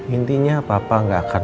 intinya papa gak akan